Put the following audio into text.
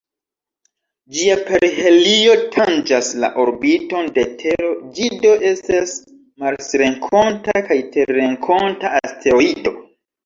Ĝia perihelio tanĝas la orbiton de Tero, ĝi do estas marsrenkonta kaj terrenkonta asteroido.